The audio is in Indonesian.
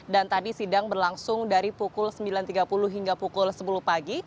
dan tadi sidang berlangsung dari pukul sembilan tiga puluh hingga pukul sepuluh pagi